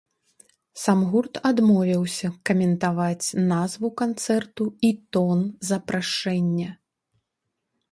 Сам гурт адмовіўся каментаваць назву канцэрту і тон запрашэння.